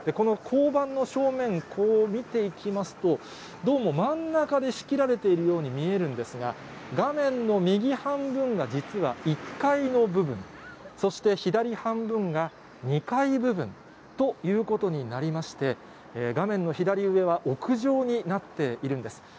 交番の正面、こう見ていきますと、どうも真ん中で仕切られているように見えるんですが、画面の右半分が実は１階の部分、そして左半分が２階部分ということになりまして、画面の左上は屋上になっているんです。